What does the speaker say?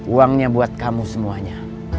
uangnya buat kamu semuanya